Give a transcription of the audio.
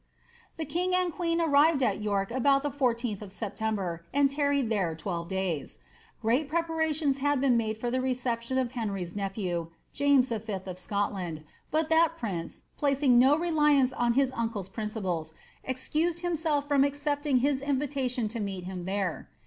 The king and queen arrived at York about the 14th of September, and tarried there twelve days. Great preparations had been made for the reception of Henry's nephew, James V. of Scotland ; but that prince, placing no g^reat reliance on his uncle's principles, excused himself from accepting his invitation to meet him there.